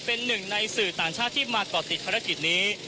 เป็นหนึ่งในสื่อต่างชาติที่มาก่อติดภารกิจนี้